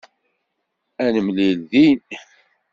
Ad nemlil din.